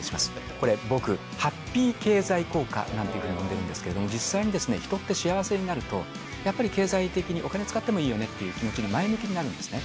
これ、僕、ハッピー経済効果なんていうふうに呼んでるんですけれども、実際に人って幸せになると、やっぱり経済的にお金使ってもいいよねっていう気持ちに前向きになるんですね。